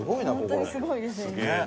ホントにすごいですよね。